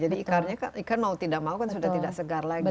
jadi ikan mau tidak mau kan sudah tidak segar lagi